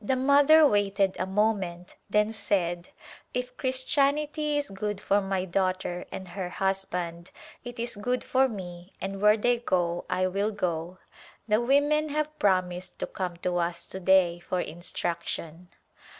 The mother waited a moment, then said, " If Christianity is good for my daughter and her husband it is good for me and where they go, I will go." The women have promised to come to us to day for instruction.